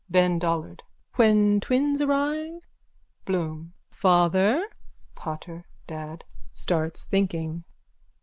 BEN DOLLARD: When twins arrive? BLOOM: Father (pater, dad) starts thinking.